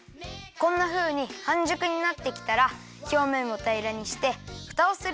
こんなふうにはんじゅくになってきたらひょうめんをたいらにしてふたをするよ。